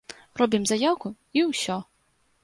Робім заяўку, і ўсё.